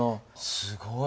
すごい！